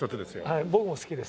はい僕も好きです。